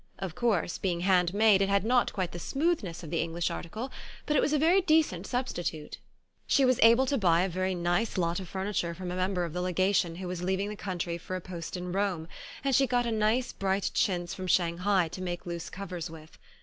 Of course, being hand made, it had not quite the smoothness of the English article, but it was a very decent substitute. She was able to buy a very nice lot of furniture from a member of the Legation who was leaving the country for a post in Rome, and she got a nice bright chintz from Shanghai to make loose covers with.